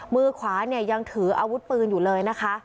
มือขวาเนี่ยยังถืออาวุธปืนอยู่เลยนะคะ